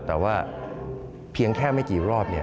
แต่ว่าเพียงแค่ไม่กี่รอบ